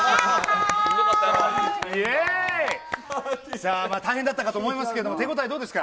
さあ、大変だったかと思いますけど、手応えどうですか。